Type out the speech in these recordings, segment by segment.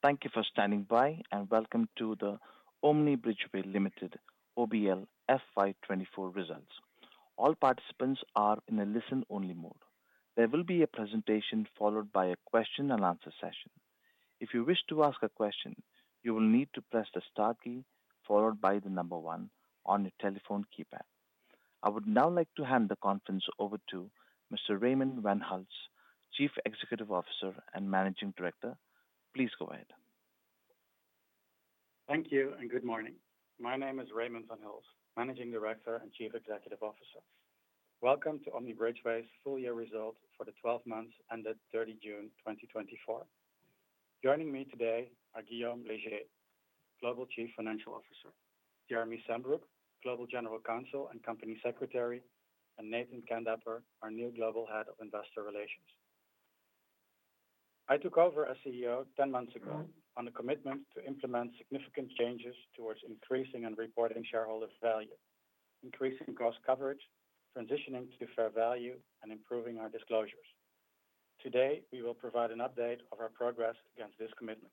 Thank you for standing by, and welcome to the Omni Bridgeway Limited OBL FY24 Results. All participants are in a listen-only mode. There will be a presentation followed by a question and answer session. If you wish to ask a question, you will need to press the star key followed by the number one on your telephone keypad. I would now like to hand the conference over to Mr. Raymond van Hulst, Chief Executive Officer and Managing Director. Please go ahead. Thank you and good morning. My name is Raymond van Hulst, Managing Director and Chief Executive Officer. Welcome to Omni Bridgeway's full year results for the 12 months ended June 30, 2024. Joining me today are Guillaume Leger, Global Chief Financial Officer, Jeremy Sambrook, Global General Counsel and Company Secretary, and Nathan Kandapper, our new Global Head of Investor Relations. I took over as CEO 10 months ago on a commitment to implement significant changes towards increasing and reporting shareholder value, increasing cost coverage, transitioning to fair value, and improving our disclosures. Today, we will provide an update of our progress against this commitment.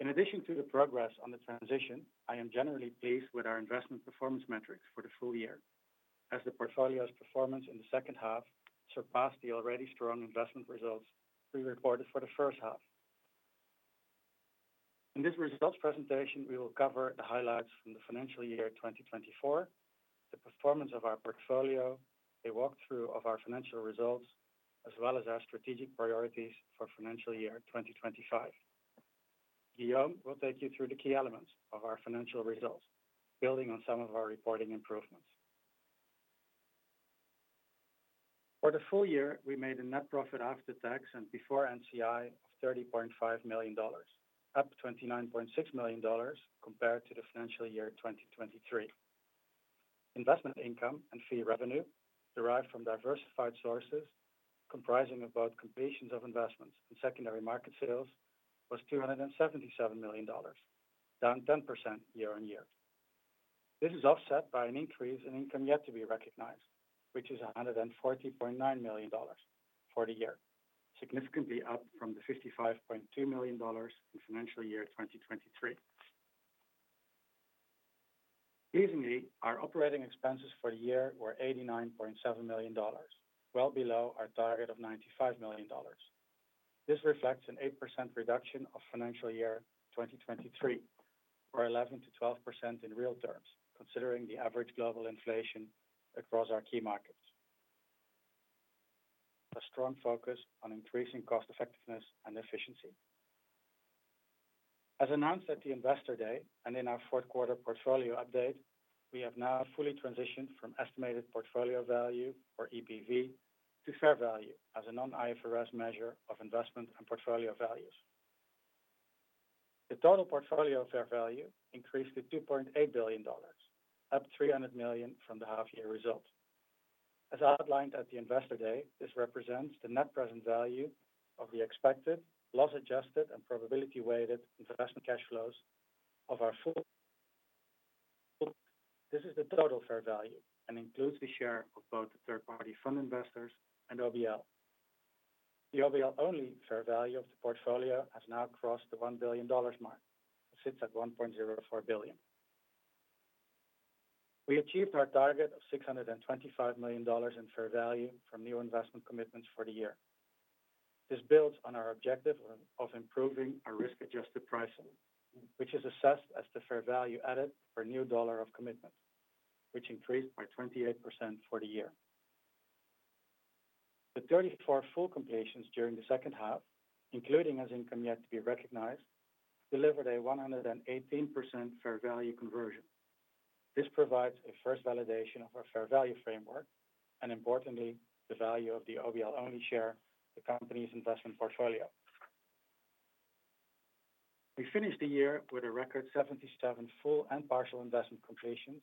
In addition to the progress on the transition, I am generally pleased with our investment performance metrics for the full year, as the portfolio's performance in the second half surpassed the already strong investment results we reported for the first half. In this results presentation, we will cover the highlights from the financial year 2024, the performance of our portfolio, a walkthrough of our financial results, as well as our strategic priorities for financial year 2025. Guillaume will take you through the key elements of our financial results, building on some of our reporting improvements. For the full year, we made a net profit after tax and before NCI of $30.5 million, up $29.6 million compared to the financial year 2023. Investment income and fee revenue, derived from diversified sources comprising of both completions of investments and secondary market sales, was $277 million, down 10% year on year. This is offset by an increase in income yet to be recognized, which is $140.9 million for the year, significantly up from the $55.2 million in financial year 2023. Pleasingly, our operating expenses for the year were $89.7 million, well below our target of $95 million. This reflects an 8% reduction of financial year 2023, or 11% to 12% in real terms, considering the average global inflation across our key markets. A strong focus on increasing cost effectiveness and efficiency. As announced at the Investor Day and in our Q4 portfolio update, we have now fully transitioned from estimated portfolio value or EPV to fair value as a non-IFRS measure of investment and portfolio values. The total portfolio fair value increased to $2.8 billion, up $300 million from the half year results. As outlined at the Investor Day, this represents the net present value of the expected, loss-adjusted, and probability-weighted investment cash flows of our full portfolio. This is the total fair value and includes the share of both the third-party fund investors and OBL. The OBL-only fair value of the portfolio has now crossed the $1 billion mark, sits at $1.04 billion. We achieved our target of $625 million in fair value from new investment commitments for the year. This builds on our objective of improving our risk-adjusted pricing, which is assessed as the fair value added for new dollar of commitment, which increased by 28% for the year. The 34 full completions during the second half, including as income yet to be recognized, delivered a 118% fair value conversion. This provides a first validation of our fair value framework and importantly, the value of the OBL only share the company's investment portfolio. We finished the year with a record 77 full and partial investment completions,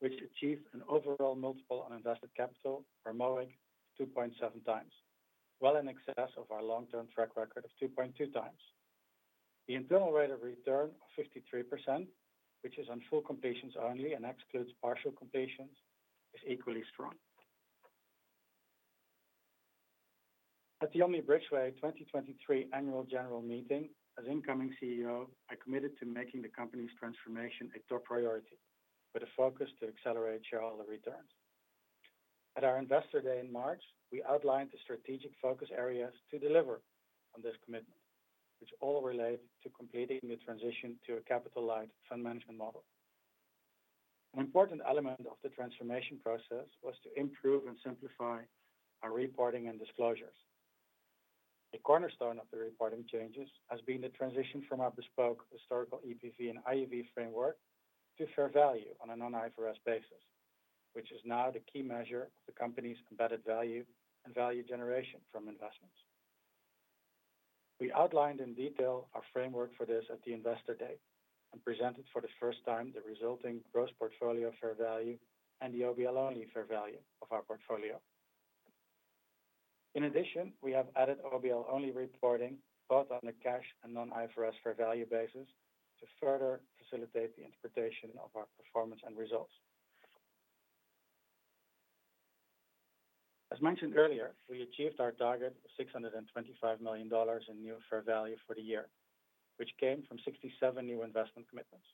which achieved an overall multiple on invested capital, or MOIC of 2.7x, well in excess of our long-term track record of 2.2x. The internal rate of return of 53%, which is on full completions only and excludes partial completions is equally strong. At the Omni Bridgeway 2023 Annual General Meeting, as incoming CEO, I committed to making the company's transformation a top priority, with a focus to accelerate shareholder returns. At our Investor Day in March, we outlined the strategic focus areas to deliver on this commitment, which all relate to completing the transition to a capital-light fund management model. An important element of the transformation process was to improve and simplify our reporting and disclosures. A cornerstone of the reporting changes has been the transition from our bespoke historical EPV and IUV framework to fair value on a non-IFRS basis, which is now the key measure of the company's embedded value and value generation from investments. We outlined in detail our framework for this at the Investor Day and presented for the first time the resulting gross portfolio fair value and the OBL only fair value of our portfolio. In addition, we have added OBL only reporting, both on a cash and non-IFRS fair value basis, to further facilitate the interpretation of our performance and results. As mentioned earlier, we achieved our target of $625 million in new fair value for the year, which came from 67 new investment commitments,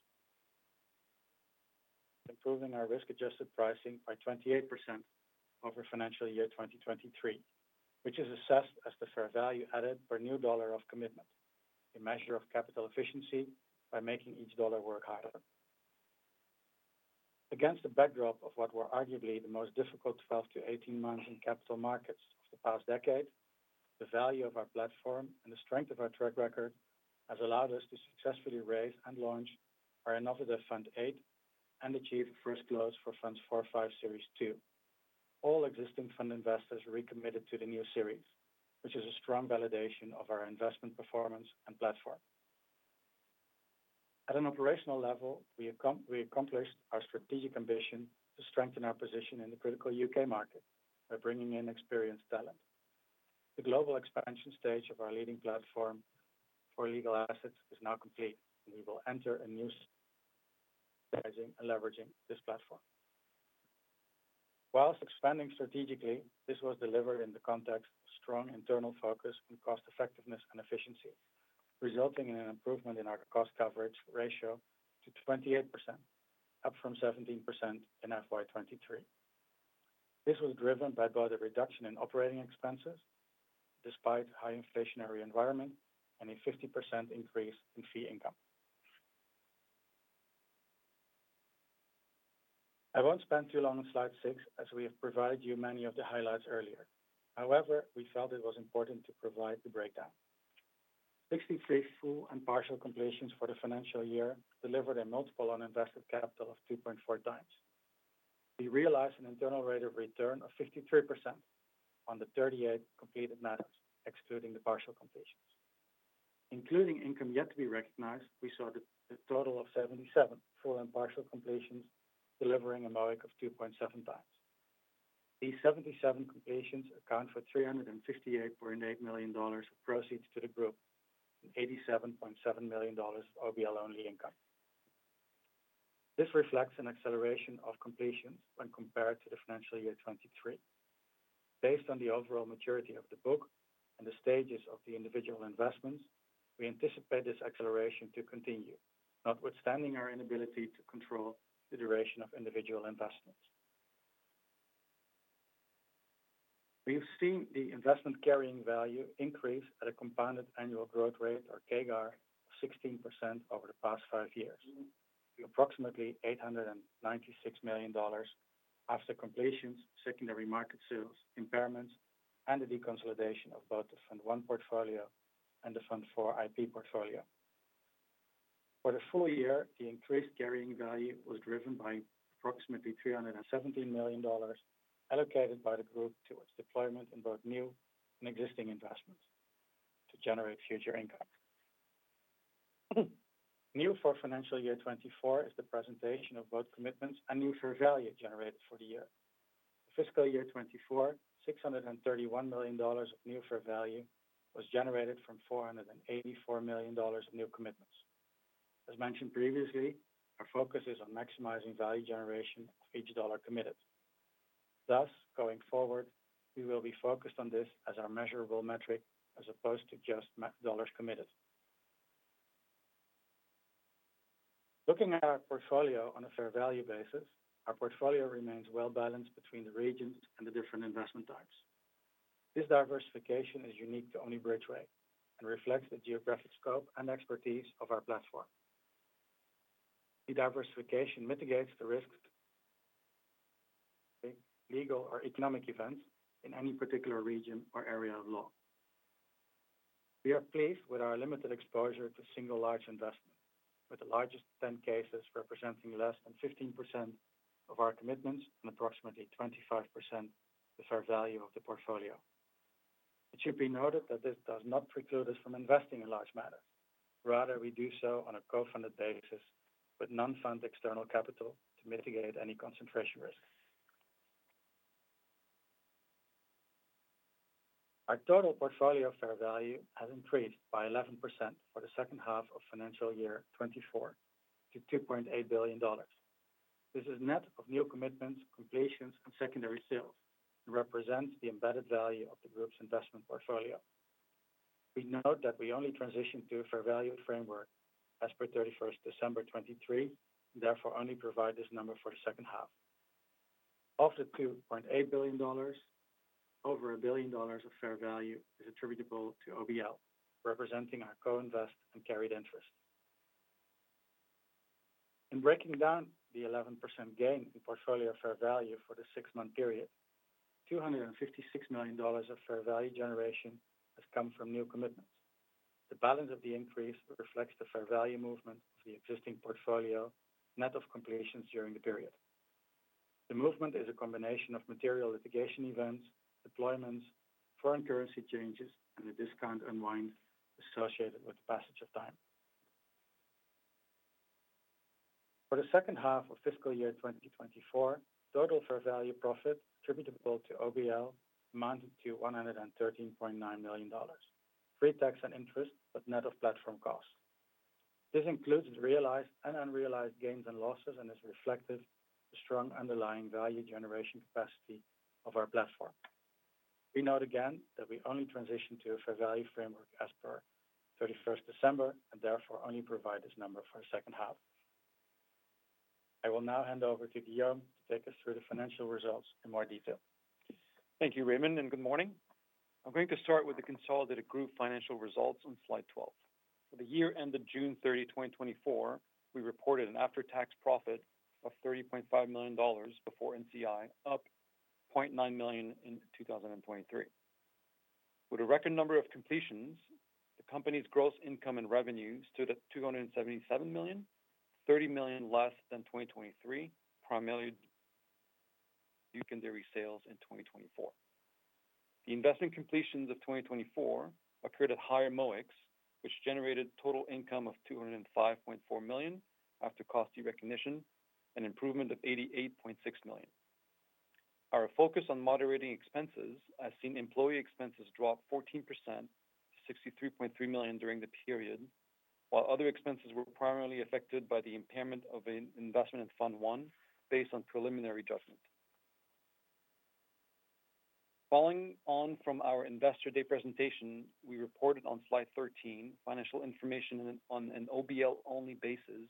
improving our risk-adjusted pricing by 28% over financial year 2023, which is assessed as the fair value added per new dollar of commitment, a measure of capital efficiency by making each dollar work harder. Against the backdrop of what were arguably the most difficult 12-18 months in capital markets for the past decade, the value of our platform and the strength of our track record has allowed us to successfully raise and launch our innovative Fund eight, and achieve first close for Funds four and five Series II. All existing fund investors recommitted to the new series, which is a strong validation of our investment performance and platform. At an operational level, we accomplished our strategic ambition to strengthen our position in the critical UK market by bringing in experienced talent. The global expansion stage of our leading platform for legal assets is now complete, and we will enter a new stage of expanding and leveraging this platform. While expanding strategically, this was delivered in the context of strong internal focus on cost effectiveness and efficiency, resulting in an improvement in our cost coverage ratio to 28%, up from 17% in FY 2023. This was driven by both a reduction in operating expenses, despite high inflationary environment, and a 50% increase in fee income. I won't spend too long on slide six, as we have provided you many of the highlights earlier. However, we felt it was important to provide the breakdown. 63 full and partial completions for the financial year delivered a multiple on invested capital of 2.4x. We realized an internal rate of return of 53% on the 38 completed matters, excluding the partial completions. Including income yet to be recognized, we saw the total of 77 full and partial completions, delivering a MOIC of 2.7x. These 77 completions account for $358.8 million of proceeds to the group, And $87.7 million OBL only income. This reflects an acceleration of completions when compared to the financial year 2023. Based on the overall maturity of the book and the stages of the individual investments we anticipate this acceleration to continue, Notwithstanding our inability to control the duration of individual investments. We've seen the investment carrying value increase at a compounded annual growth rate, or CAGR, of 16% over the past five years, to approximately $896 million after completions, secondary market sales, impairments, and the deconsolidation of both the Fund one portfolio and the Fund four IP portfolio. For the full year, the increased carrying value was driven by approximately $317 million, allocated by the group towards deployment in both new and existing investments to generate future income. New for financial year 2024 is the presentation of both commitments and new fair value generated for the year. Fiscal year 2024, $631 million of new fair value was generated from $484 million of new commitments. As mentioned previously, our focus is on maximizing value generation of each dollar committed. Thus, going forward, we will be focused on this as our measurable metric, as opposed to just mere dollars committed. Looking at our portfolio on a fair value basis, our portfolio remains well-balanced between the regions and the different investment types. This diversification is unique to only Bridgeway and reflects the geographic scope and expertise of our platform. The diversification mitigates the risks, legal, or economic events in any particular region or area of law. We are pleased with our limited exposure to single large investments, with the largest 10 cases representing less than 15% of our commitments and approximately 25% the fair value of the portfolio. It should be noted that this does not preclude us from investing in large matters. Rather, we do so on a co-funded basis with non fund external capital to mitigate any concentration risks. Our total portfolio fair value has increased by 11% for the second half of financial year 2024 to $2.8 billion. This is net of new commitments, completions, and secondary sales, and represents the embedded value of the group's investment portfolio. We note that we only transitioned to a fair value framework as per 31 December 2023, therefore only provide this number for the second half. Of the $2.8 billion, over $1 billion of fair value is attributable to OBL, representing our co-invest and carried interest. In breaking down the 11% gain in portfolio fair value for the six-month period, $256 million of fair value generation has come from new commitments. The balance of the increase reflects the fair value movement of the existing portfolio, net of completions during the period. The movement is a combination of material litigation events, deployments, foreign currency changes, and the discount unwind associated with the passage of time. For the second half of fiscal year 2024, total fair value profit attributable to OBL amounted to $113.9 million, pre-tax and interest, but net of platform costs. This includes realized and unrealized gains and losses, and has reflected the strong underlying value generation capacity of our platform. We note again that we only transition to a fair value framework as per 31st December, and therefore only provide this number for a second half. I will now hand over to Guillaume to take us through the financial results in more detail. Thank you, Raymond, and good morning. I'm going to start with the consolidated group financial results on slide 12. For the year ended June 30, 2024, we reported an after-tax profit of $30.5 million before NCI, up $0.9 million in 2023. With a record number of completions, the company's gross income and revenue stood at $277 million, $30 million less than 2023, primarily due to resales in 2024. The investment completions of 2024 occurred at higher MOICs, which generated total income of $205.4 million after cost recognition, an improvement of $88.6 million. Our focus on moderating expenses has seen employee expenses drop 14% to $63.3 million during the period, while other expenses were primarily affected by the impairment of an investment in Fund one, based on preliminary judgment. Following on from our Investor Day presentation we reported on slide 13 financial information on an OBL only basis,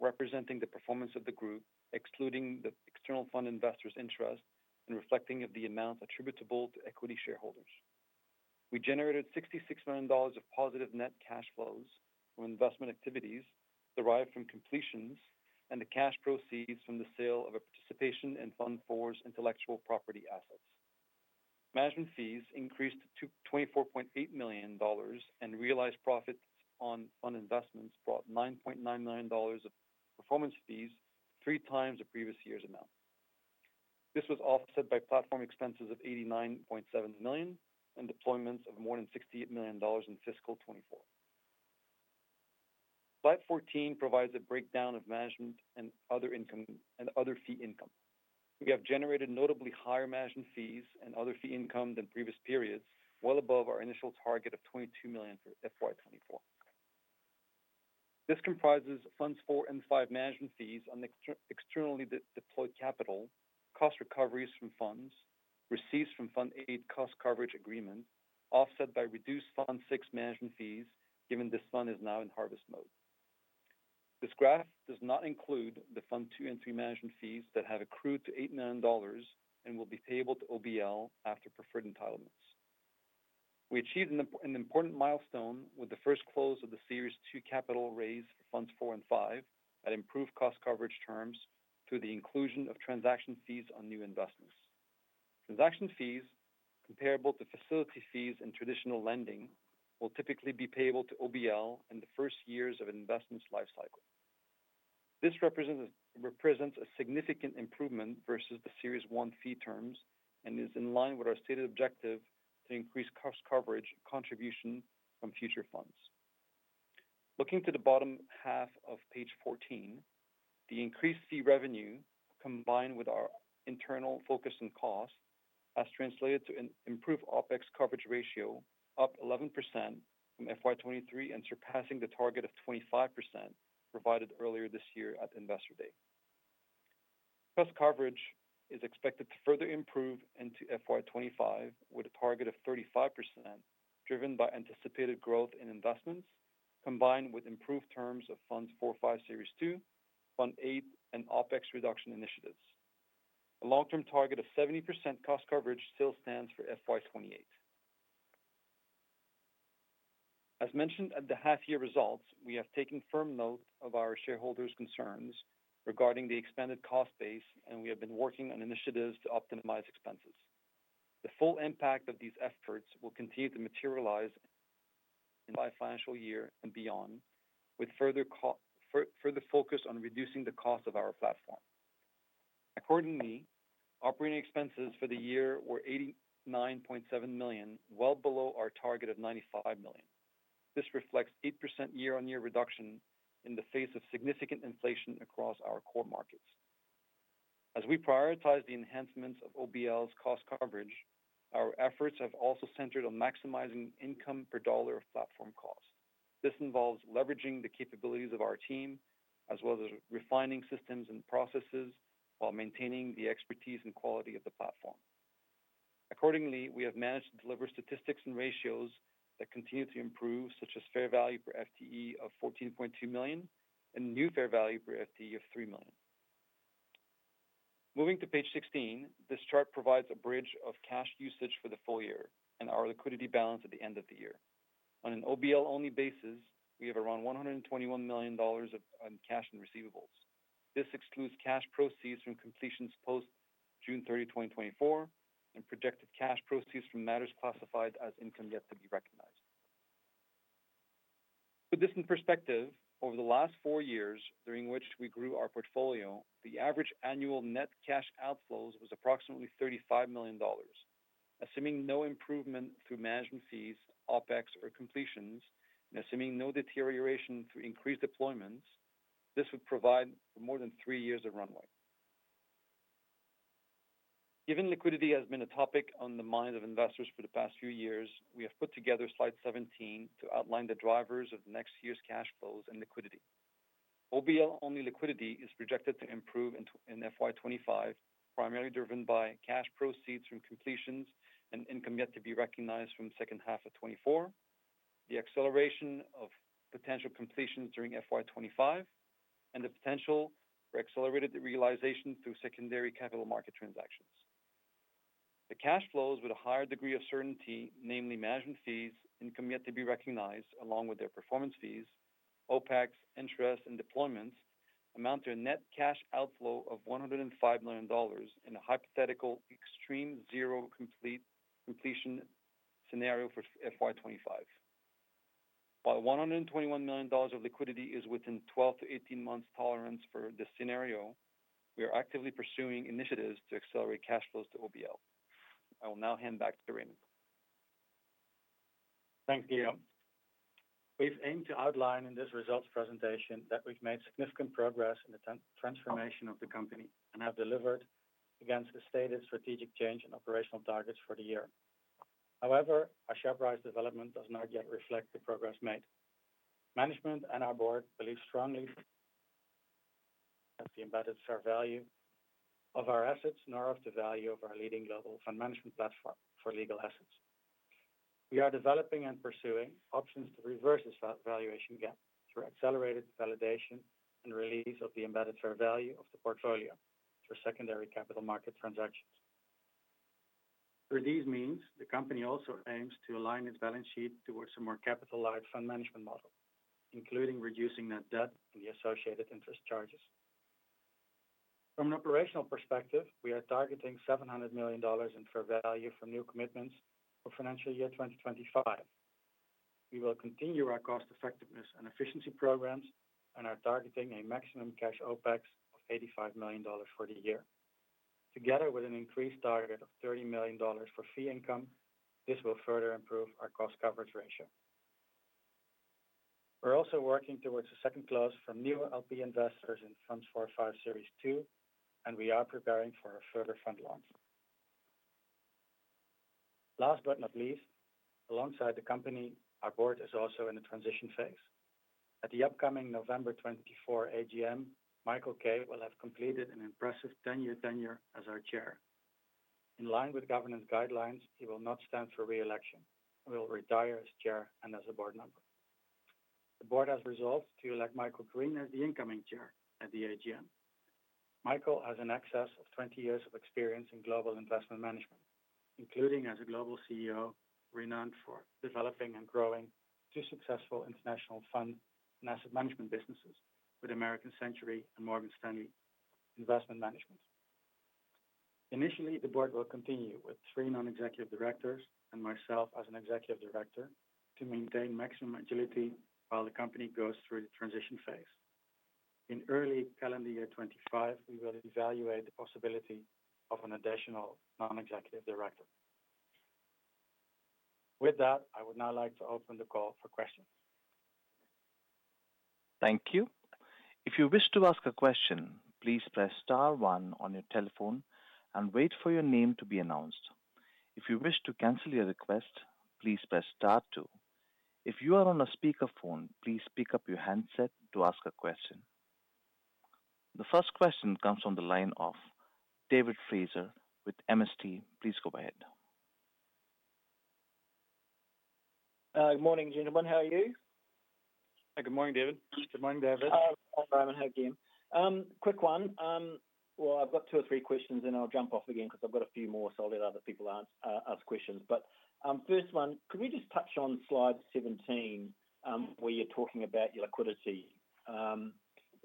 representing the performance of the group excluding the external fund investors' interest and reflecting the amount attributable to equity shareholders. We generated $66 million of positive net cash flows from investment activities derived from completions and the cash proceeds from the sale of a participation in Fund four intellectual property assets. Management fees increased to $24.8 million, and realized profits on fund investments brought $9.9 million of performance fees, three times the previous year's amount. This was offset by platform expenses of $89.7 million and deployments of more than $68 million in fiscal 2024. Slide 14 provides a breakdown of management and other income, and other fee income. We have generated notably higher management fees and other fee income than previous periods, well above our initial target of $22 million for FY 2024. This comprises Funds four and five management fees on externally deployed capital, cost recoveries from funds, receipts from Fund eight cost coverage agreement, offset by reduced Fund six management fees, given this fund is now in harvest mode. This graph does not include the Fund two and three management fees that have accrued to $8 million and will be payable to OBL after preferred entitlements. We achieved an important milestone with the first close of the Series II capital raise for Funds four and five, at improved cost coverage terms through the inclusion of transaction fees on new investments. Transaction fees, comparable to facility fees and traditional lending, will typically be payable to OBL in the first years of an investment's life cycle. This represents a significant improvement versus the Series I fee terms and is in line with our stated objective to increase cost coverage contribution from future funds. Looking to the bottom half of page 14, the increased fee revenue, combined with our internal focus on cost, has translated to an improved OpEx coverage ratio, up 11% from FY 2023 and surpassing the target of 25% provided earlier this year at Investor Day. Cost coverage is expected to further improve into FY 2025, with a target of 35% driven by anticipated growth in investments, combined with improved terms of Funds four and five Series II, Fund eight, and OpEx reduction initiatives. A long-term target of 70% cost coverage still stands for FY 2028. As mentioned at the half-year results, we have taken firm note of our shareholders' concerns regarding the expanded cost base, and we have been working on initiatives to optimize expenses. The full impact of these efforts will continue to materialize in the financial year and beyond, with further focus on reducing the cost of our platform. Accordingly, operating expenses for the year were $89.7 million, well below our target of $95 million. This reflects 8% year-on-year reduction in the face of significant inflation across our core markets. As we prioritize the enhancements of OBL's cost coverage, our efforts have also centered on maximizing income per dollar of platform costs. This involves leveraging the capabilities of our team, as well as refining systems and processes, while maintaining the expertise and quality of the platform. Accordingly, we have managed to deliver statistics and ratios that continue to improve, such as fair value per FTE of $14.2 million and new fair value per FTE of $3 million. Moving to page 16, this chart provides a bridge of cash usage for the full year and our liquidity balance at the end of the year. On an OBL only basis, we have around $121 million of cash and receivables. This excludes cash proceeds from completions post-June 30, 2024 and projected cash proceeds from matters classified as income yet to be recognized. To put this in perspective, over the last four years, during which we grew our portfolio, the average annual net cash outflows was approximately $35 million. Assuming no improvement through management fees, OpEx, or completions, and assuming no deterioration through increased deployments, this would provide for more than three years of runway. Given liquidity has been a topic on the mind of investors for the past few years, we have put together slide 17 to outline the drivers of next year's cash flows and liquidity. OBL only liquidity is projected to improve in FY 2025, primarily driven by cash proceeds from completions and income yet to be recognized from second half of 2024, the acceleration of potential completions during FY 2025, and the potential for accelerated realization through secondary capital market transactions. The cash flows with a higher degree of certainty, namely management fees, income yet to be recognized along with their performance fees, OpEx, interest, and deployments, amount to a net cash outflow of $105 million in a hypothetical extreme zero completion scenario for FY 2025. While $121 million of liquidity is within 12 to 18 months tolerance for this scenario, we are actively pursuing initiatives to accelerate cash flows to OBL. I will now hand back to Raymond. Thanks, Guillaume. We've aimed to outline in this results presentation that we've made significant progress in the transformation of the company and have delivered against the stated strategic change and operational targets for the year. However, our share price development does not yet reflect the progress made. Management and our board believe strongly that the embedded fair value of our assets, nor of the value of our leading global fund management platform for legal assets. We are developing and pursuing options to reverse this valuation gap through accelerated validation and release of the embedded fair value of the portfolio for secondary capital market transactions. Through these means, the company also aims to align its balance sheet towards a more capitalized fund management model, including reducing net debt and the associated interest charges. From an operational perspective, we are targeting $700 million in fair value for new commitments for financial year 2025. We will continue our cost effectiveness and efficiency programs, and are targeting a maximum cash OpEx of $85 million for the year. Together with an increased target of $30 million for fee income, this will further improve our cost coverage ratio. We're also working towards a second close from new LP investors in Funds four or five, Series II, and we are preparing for a further fund launch. Last but not least, alongside the company, our board is also in a transition phase. At the upcoming November 2024 AGM, Michael Kay will have completed an impressive 10 year tenure as our chair. In line with governance guidelines, he will not stand for re-election, and will retire as chair and as a board member. The board has resolved to elect Michael Green as the incoming chair at the AGM. Michael has in excess of twenty years of experience in global investment management, including as a global CEO, renowned for developing and growing two successful international fund and asset management businesses with American Century and Morgan Stanley Investment Management. Initially, the board will continue with three non-executive directors and myself as an executive director to maintain maximum agility while the company goes through the transition phase. In early calendar year 2025, we will evaluate the possibility of an additional non-executive director. With that, I would now like to open the call for questions. Thank you. If you wish to ask a question, please press star one on your telephone and wait for your name to be announced. If you wish to cancel your request, please press star two. If you are on a speakerphone, please pick up your handset to ask a question. The first question comes from the line of David Fraser with MST. Please go ahead. Good morning, gentlemen. How are you? Hi, good morning, David. Good morning, David. Hi, Raymond. Hi, Guillaume. Quick one. Well, I've got two or three questions, then I'll jump off again because I've got a few more, so I'll let other people ask questions. But first one, could we just touch on slide 17, where you're talking about your liquidity? You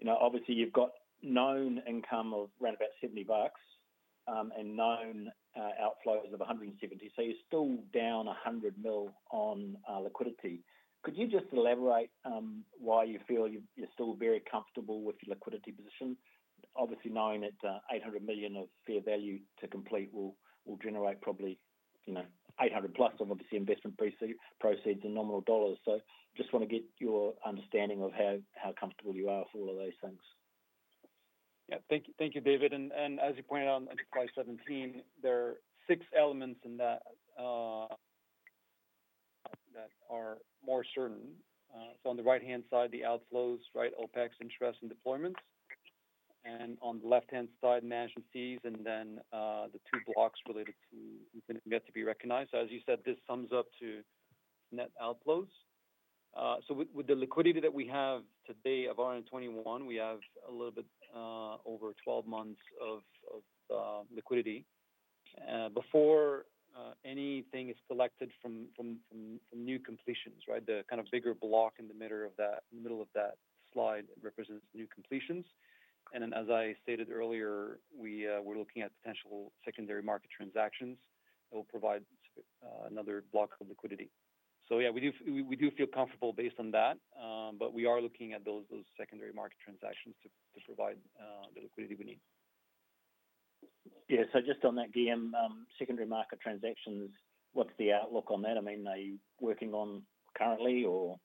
know, obviously you've got known income of around about $70 million, and known outflows of $170 million. So you're still down $100 million on liquidity. Could you just elaborate why you feel you're still very comfortable with your liquidity position? Obviously, knowing that $800 million of fair value to complete will generate probably, you know, $800 million plus of obviously investment proceeds in nominal dollars. Just want to get your understanding of how comfortable you are with all of these things. Yeah. Thank you, David. And as you pointed out on slide 17, there are six elements in that that are more certain. So on the right-hand side, the outflows, right, OpEx, interest, and deployments. And on the left-hand side, management fees and then the two blocks related to income yet to be recognized. So as you said, this sums up to net outflows. So with the liquidity that we have today of 21, we have a little bit over 12 months of liquidity before anything is collected from new completions, right? The kind of bigger block in the middle of that slide represents new completions. And then, as I stated earlier, we're looking at potential secondary market transactions that will provide another block of liquidity. So yeah, we do feel comfortable based on that, but we are looking at those secondary market transactions to provide the liquidity we need. Yeah. So just on that, Guillaume, secondary market transactions, what's the outlook on that? I mean, are you working on currently or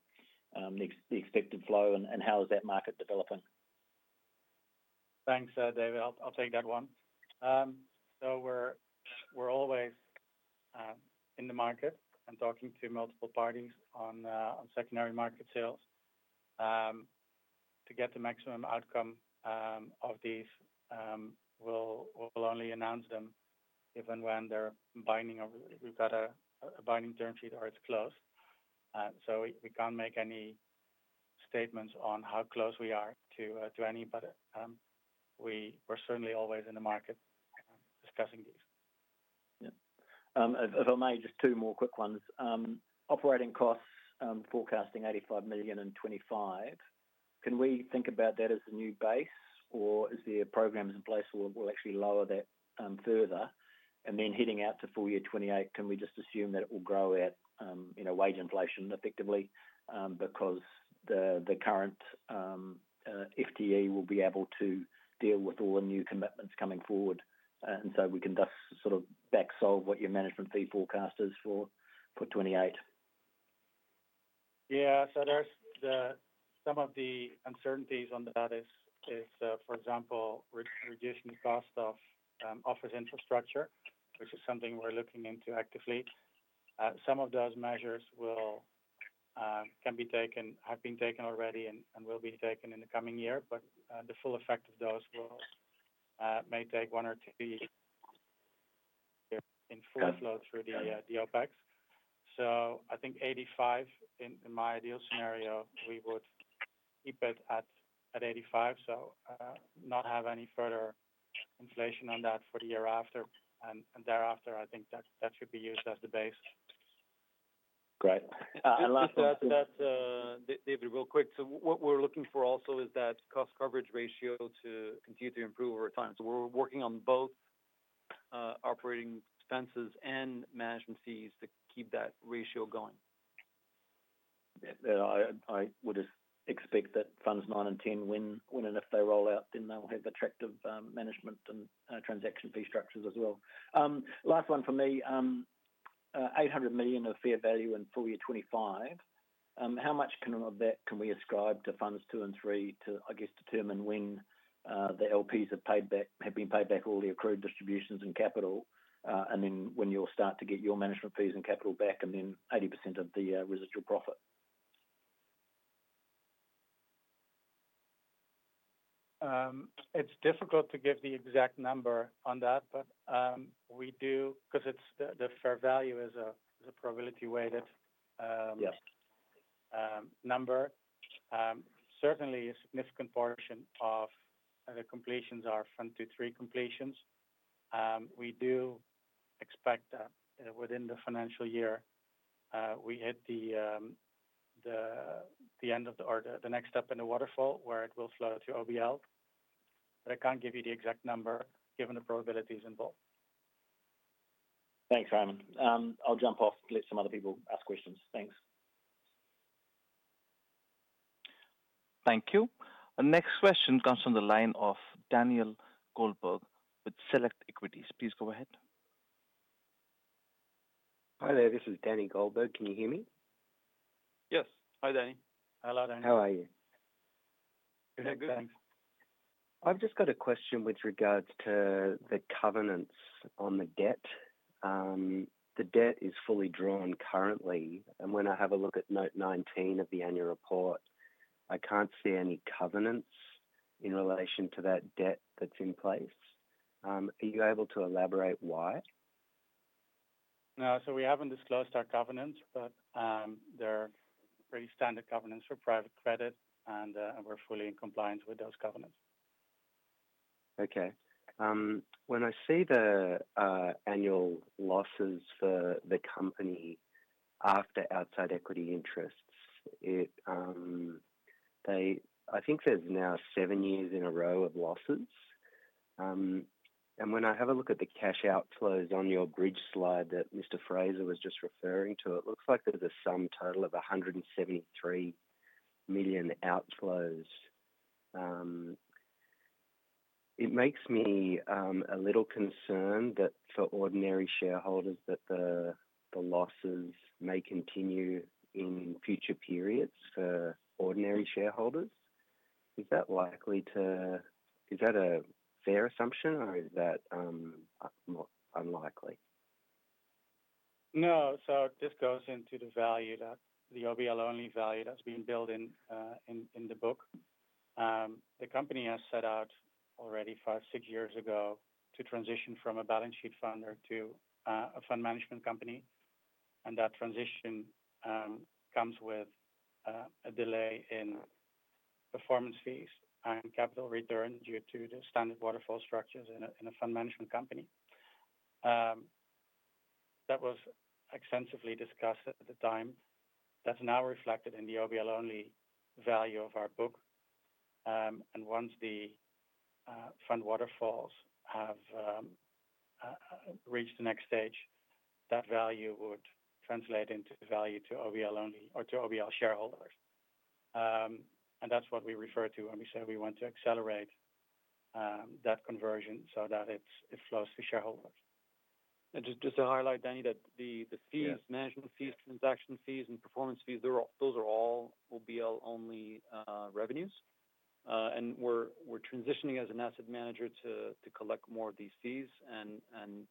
the expected flow and how is that market developing? Thanks, David. I'll take that one. So we're always in the market and talking to multiple parties on the secondary market sales. To get the maximum outcome of these, we'll only announce them if and when they're binding or we've got a binding term sheet or it's closed. So we can't make any statements on how close we are to any, but we're certainly always in the market discussing these. Yeah. If, if I may, just two more quick ones. Operating costs, forecasting $85 million in 2025, can we think about that as the new base, or is there programs in place where we'll actually lower that, further? And then heading out to full year 2028, can we just assume that it will grow at, you know, wage inflation effectively, because the current FTE will be able to deal with all the new commitments coming forward, and so we can just sort of back solve what your management fee forecast is for, for 2028. Yeah. So there's some of the uncertainties on that is, for example, reducing the cost of office infrastructure, which is something we're looking into actively. Some of those measures will can be taken, have been taken already and will be taken in the coming year, but the full effect of those will may take one or two years in full flow through the OpEx. So I think 85, in my ideal scenario, we would keep it at 85, so not have any further inflation on that for the year after. And thereafter, I think that should be used as the base. Great. And last one- Just to add to that, David, real quick. So what we're looking for also is that cost coverage ratio to continue to improve over time. So we're working on both, operating expenses and management fees to keep that ratio going. Yeah, I would just expect that Funds 19, when and if they roll out, then they will have attractive, management and, transaction fee structures as well. Last one for me. $800 million of fair value in full year 2025, how much of that can we ascribe to Funds Two and Three to, I guess, determine when, the LPs have been paid back all the accrued distributions and capital, and then when you'll start to get your management fees and capital back, and then 80% of the, residual profit? It's difficult to give the exact number on that, but we do 'cause it's the fair value is a probability weighted. Yes Number. Certainly, a significant portion of the completions are Fund Two, Three completions. We do expect that within the financial year, we hit the end of the or the next step in the waterfall, where it will flow to OBL. But I can't give you the exact number, given the probabilities involved. Thanks, Simon. I'll jump off and let some other people ask questions. Thanks. Thank you. The next question comes from the line of Daniel Goldberg with Select Equities. Please go ahead. Hi there, this is Daniel Goldberg. Can you hear me? Yes. Hi, Danny. Hello, Danny. How are you? Good, thanks. I've just got a question with regards to the covenants on the debt. The debt is fully drawn currently, and when I have a look at note 19 of the annual report, I can't see any covenants in relation to that debt that's in place. Are you able to elaborate why? No, so we haven't disclosed our covenants, but they're pretty standard covenants for private credit, and we're fully in compliance with those covenants. Okay. When I see the annual losses for the company after outside equity interests, I think there's now seven years in a row of losses. And when I have a look at the cash outflows on your bridge slide that Mr. Fraser was just referring to, it looks like there's a sum total of $173 million outflows. It makes me a little concerned that for ordinary shareholders, the losses may continue in future periods for ordinary shareholders. Is that likely to is that a fair assumption or is that more unlikely? No, so it just goes into the value, that the OBL only value that's been built in, in the book. The company has set out already five, six years ago, to transition from a balance sheet funder to a fund management company, and that transition comes with a delay in performance fees and capital return due to the standard waterfall structures in a fund management company. That was extensively discussed at the time. That's now reflected in the OBL only value of our book, and once the fund waterfalls have reached the next stage, that value would translate into value to OBL only or to OBL shareholders. And that's what we refer to when we say we want to accelerate that conversion so that it's- it flows to shareholders. And just to highlight, Danny, that the fees- Yeah. Management fees, transaction fees, and performance fees, they're all OBL only revenues. And we're transitioning as an asset manager to collect more of these fees. And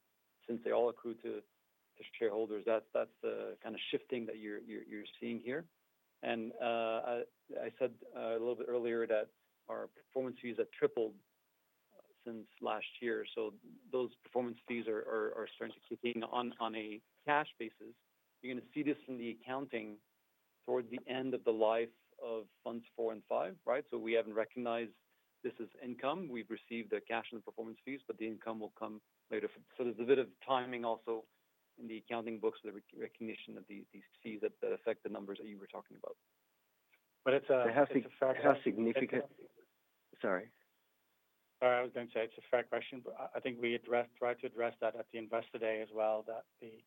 since they all accrue to the shareholders, that's the kind of shifting that you're seeing here. And I said a little bit earlier that our performance fees have tripled since last year. So those performance fees are starting to kick in on a cash basis. You're going to see this in the accounting towards the end of the life of funds four and five, right? So we haven't recognized this as income. We've received the cash and the performance fees, but the income will come later. So there's a bit of timing also in the accounting books, the re-recognition of these fees that affect the numbers that you were talking about. But it's a fair- How significant. Sorry. Sorry, I was going to say it's a fair question, but I, I think we addressed, tried to address that at the Investor Day as well, that the-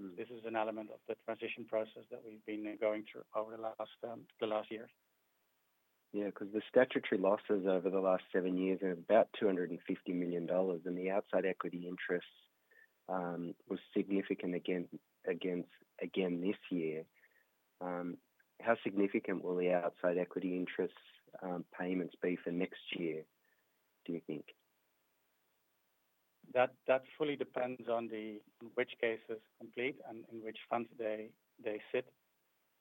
Mm. This is an element of the transition process that we've been going through over the last years. Yeah, because the statutory losses over the last seven years are about $250 million, and the outside equity interest was significant again this year. How significant will the outside equity interest payments be for next year, do you think? That fully depends on which case is complete and in which funds they sit.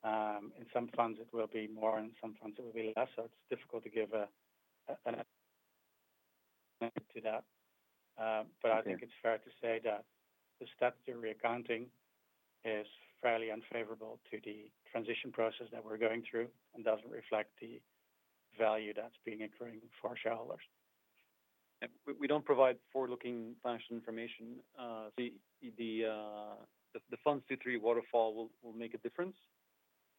In some funds, it will be more, in some funds, it will be less. So it's difficult to give an to that. But I think- Okay... it's fair to say that the statutory accounting is fairly unfavorable to the transition process that we're going through and doesn't reflect the value that's been accruing for our shareholders. We don't provide forward-looking financial information. The funds two, three waterfall will make a difference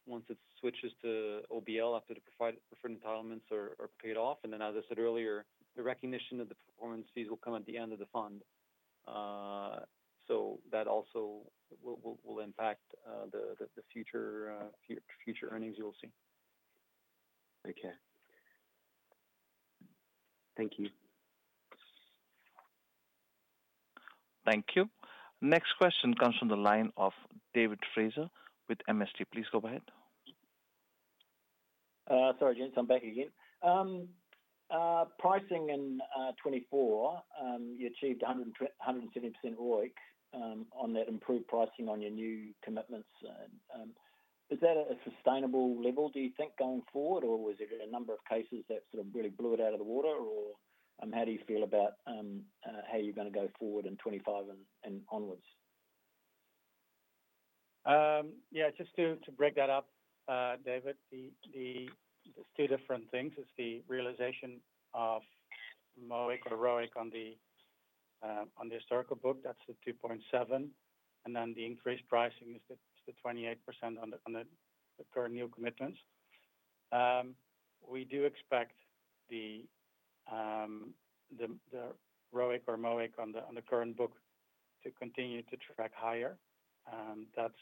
once it switches to OBL after the preferred entitlements are paid off. Then, as I said earlier, the recognition of the performance fees will come at the end of the fund. So that also will impact the future earnings you will see. Okay. Thank you. Thank you. Next question comes from the line of David Fraser with MST. Please go ahead. Sorry, gents, I'm back again. Pricing in 2024, you achieved 170% ROIC on that improved pricing on your new commitments. Is that a sustainable level, do you think, going forward, or was it a number of cases that sort of really blew it out of the water? Or, how do you feel about how you're going to go forward in 2025 and onwards? Yeah, just to break that up, David, the-- there's two different things. There's the realization of MOIC or ROIC on the historical book, that's the 2.7, and then the increased pricing is the 28% on the current new commitments. We do expect the ROIC or MOIC on the current book to continue to track higher. That's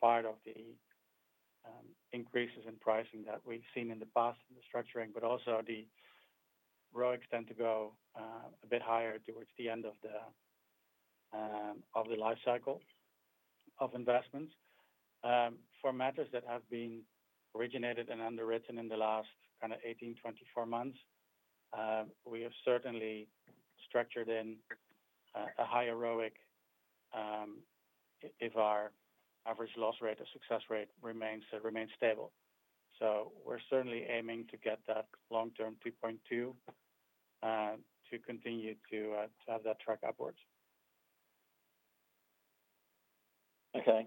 part of the increases in pricing that we've seen in the past in the structuring, but also the ROICs tend to go a bit higher towards the end of the life cycle of investments. For matters that have been originated and underwritten in the last kind of 18-24 months, we have certainly structured in a high ROIC if our average loss rate or success rate remains stable, so we're certainly aiming to get that long-term 2.2 to continue to have that track upwards. Okay.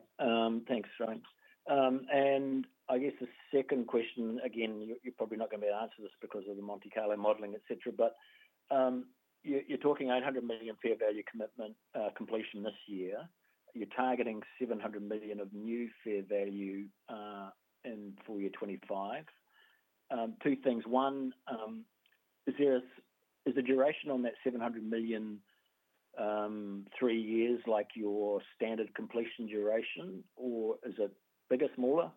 Thanks, James. And I guess the second question, again, you're probably not going to be able to answer this because of the Monte-Carlo modeling, et cetera, but, you're talking $800 million fair value commitment completion this year. You're targeting $700 million of new fair value in full year 2025. Two things. One, is the duration on that $700 million three years, like your standard completion duration, or is it bigger, smaller?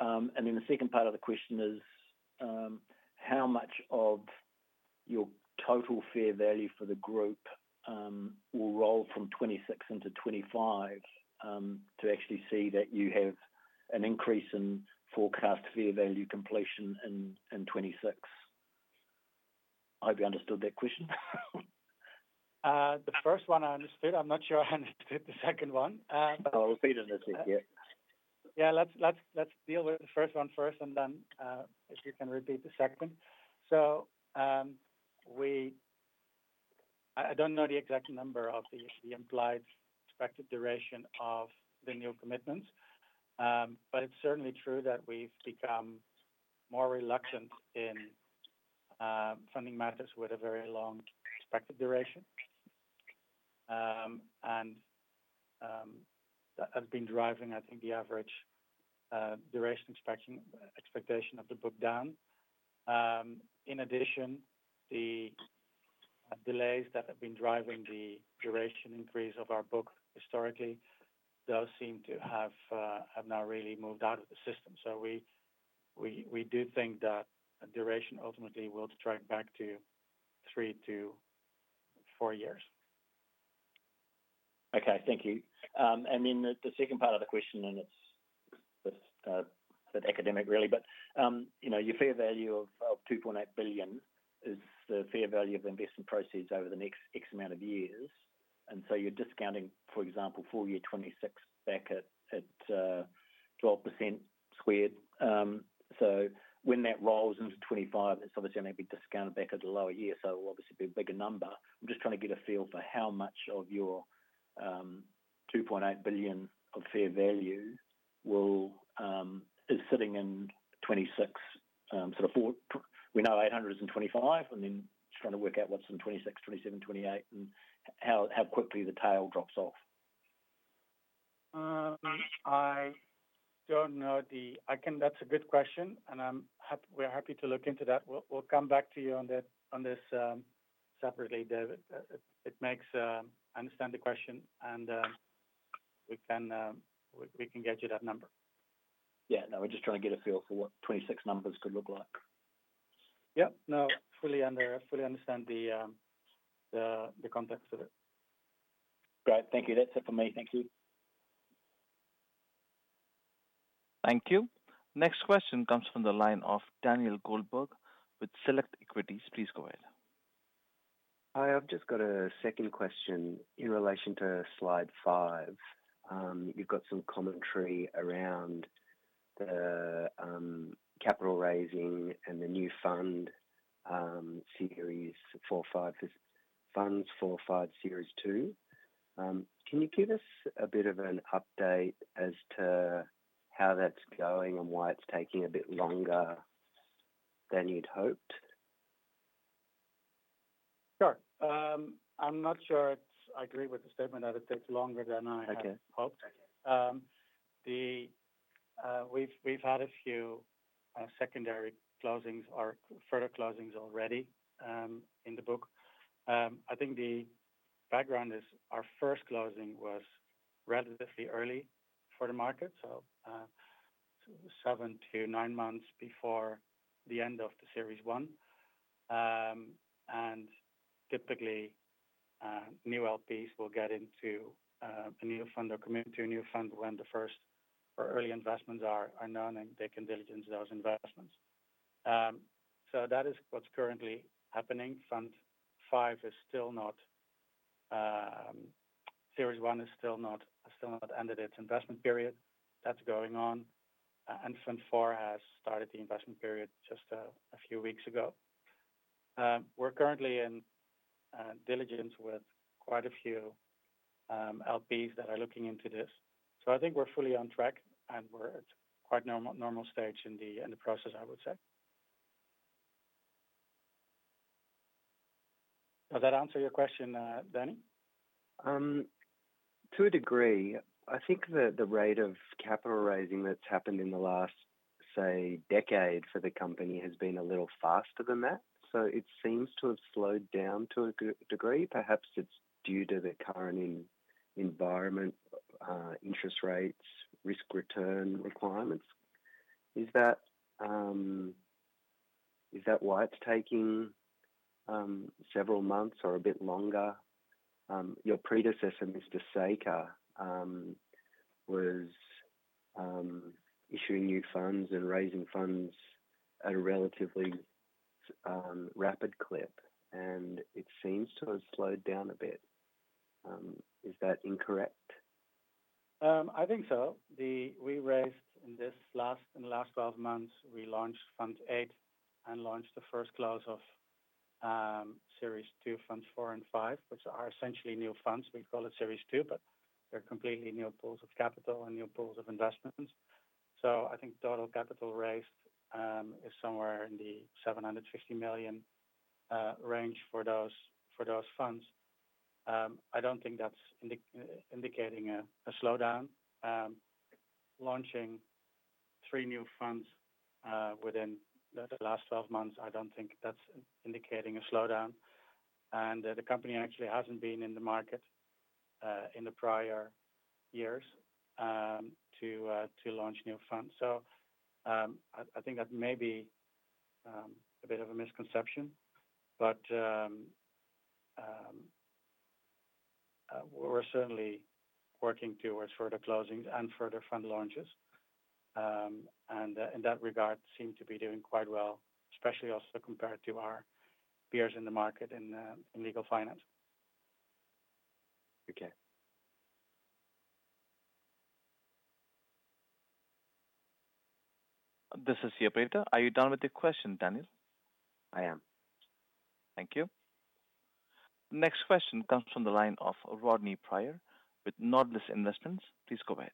And then the second part of the question is, how much of your total fair value for the group will roll from 2026 into 2025 to actually see that you have an increase in forecast fair value completion in 2026? I hope you understood that question. The first one I understood. I'm not sure I understood the second one. I'll repeat it, let's see. Yeah. Yeah, let's deal with the first one first, and then if you can repeat the second. So, I don't know the exact number of the implied expected duration of the new commitments, but it's certainly true that we've become more reluctant in funding matters with a very long expected duration. And that have been driving, I think, the average duration expectation of the book down. In addition, the delays that have been driving the duration increase of our book historically, those seem to have now really moved out of the system. So we do think that duration ultimately will strike back to three to four years. Okay, thank you, and then the second part of the question, and it's academic really, but you know, your fair value of $2.8 billion is the fair value of investment proceeds over the next X amount of years. And so you're discounting, for example, full year 2026 back at 12% squared, so when that rolls into 2025, it's obviously going to be discounted back at a lower year, so obviously be a bigger number. I'm just trying to get a feel for how much of your $2.8 billion of fair value will is sitting in 2026, sort of four. We know $800 million is in 2025, and then just trying to work out what's in 2026, 2027, 2028, and how quickly the tail drops off. That's a good question, and we're happy to look into that. We'll come back to you on this separately, David. It makes... I understand the question, and we can get you that number. Yeah, no, we're just trying to get a feel for what 26 numbers could look like. Yep. No, fully understand the context of it. Great. Thank you. That's it for me. Thank you. Thank you. Next question comes from the line of Daniel Goldberg with Select Equities. Please go ahead. Hi, I've just got a second question in relation to slide five. You've got some commentary around the, capital raising and the new fund, Series four five funds, four, five, Series II. Can you give us a bit of an update as to how that's going and why it's taking a bit longer than you'd hoped? Sure. I'm not sure it's-- I agree with the statement that it takes longer than I had- Okay... hoped. We have had a few secondary closings or further closings already in the book. I think the background is our first closing was relatively early for the market, seven to nine months before the end of the Series I. Typically, new LPs will get into a new fund or commit to a new fund when the first or early investments are known, and they can diligence those investments. That is what is currently happening. Fund five is still not, Series I is still not, still not ended its investment period. That is going on, and Fund 4 has started the investment period just a few weeks ago. We are currently in diligence with quite a few LPs that are looking into this. So I think we're fully on track, and we're at quite normal stage in the, in the process, I would say. Does that answer your question, Danny? To a degree. I think the rate of capital raising that's happened in the last, say, decade for the company has been a little faster than that, so it seems to have slowed down to a degree. Perhaps it's due to the current environment, interest rates, risk-return requirements. Is that, is that why it's taking several months or a bit longer? Your predecessor, Mr. Saker, was issuing new funds and raising funds at a relatively rapid clip, and it seems to have slowed down a bit. Is that incorrect? I think so. We raised in the last 12 months, we launched Fund Eight and launched the first close of Series II, Funds four and five, which are essentially new funds. We call it Series II, but they're completely new pools of capital and new pools of investments. So I think total capital raised is somewhere in the $750 million range for those funds. I don't think that's indicating a slowdown. Launching three new funds within the last 12 months, I don't think that's indicating a slowdown. And the company actually hasn't been in the market in the prior years to launch new funds. So, I think that may be a bit of a misconception, but we're certainly working towards further closings and further fund launches, and in that regard seem to be doing quite well, especially also compared to our peers in the market in legal finance. Okay. This is the operator. Are you done with the question, Daniel? I am. Thank you. Next question comes from the line of Rodney Pryor with Nordis Investments. Please go ahead.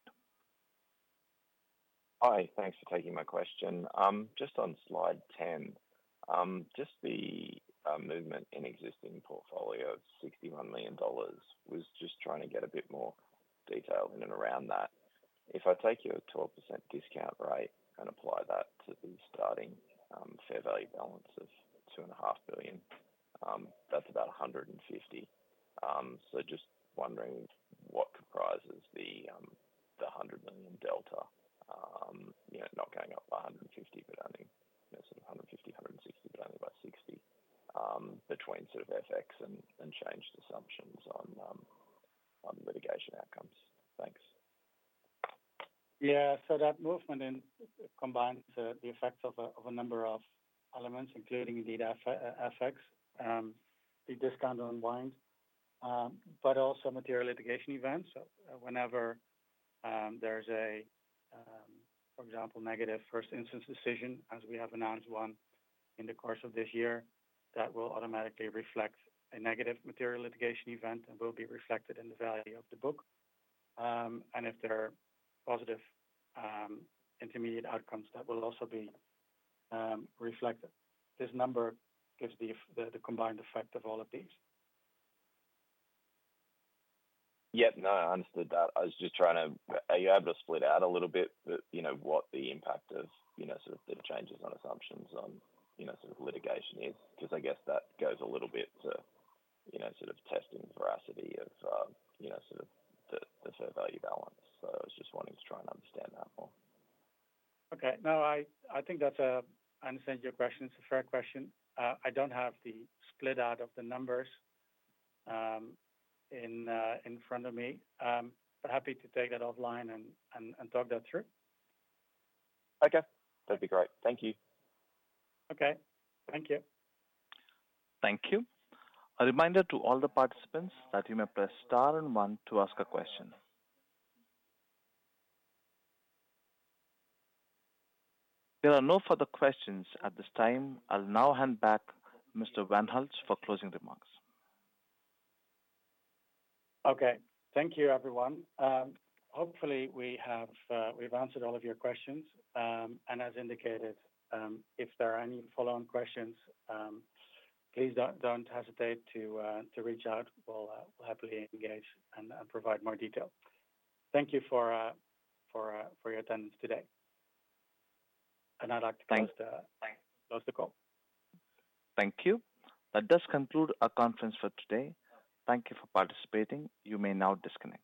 Hi, thanks for taking my question. Just on slide 10, just the movement in existing portfolio of $61 million, was just trying to get a bit more detail in and around that. If I take your 12% discount rate and apply that to the starting fair value balance of $2.5 billion, that's about 150. So just wondering what comprises the $100 million delta? You know, not going up by 150, but only, you know, sort of 150, 160, but only by 60, between sort of FX and, and changed assumptions on litigation outcomes. Thanks. Yeah. So that movement in combines the effects of a number of elements, including indeed FX, the discount unwind, but also material litigation events. So whenever there's a for example, negative first instance decision, as we have announced one in the course of this year, that will automatically reflect a negative material litigation event and will be reflected in the value of the book. And if there are positive intermediate outcomes, that will also be reflected. This number gives the combined effect of all of these. Yeah. No, I understood that. I was just trying to... Are you able to split out a little bit the, you know, what the impact of, you know, sort of the changes on assumptions on, you know, sort of litigation is? Because I guess that goes a little bit to, you know, sort of testing the veracity of, you know, sort of the fair value balance. So I was just wanting to try and understand that more. Okay. No, I think that's. I understand your question. It's a fair question. I don't have the split out of the numbers in front of me. But happy to take that offline and talk that through. Okay. That'd be great. Thank you. Okay, thank you. Thank you. A reminder to all the participants that you may press star and one to ask a question. There are no further questions at this time. I'll now hand back Mr. van Hulst for closing remarks. Okay. Thank you, everyone. Hopefully, we have, we've answered all of your questions. And as indicated, if there are any follow-on questions, please don't hesitate to reach out. We'll happily engage and provide more detail. Thank you for your attendance today. And I'd like to close the- Thank... close the call. Thank you. That does conclude our conference for today. Thank you for participating. You may now disconnect.